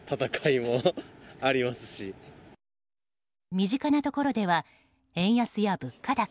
身近なところでは円安や物価高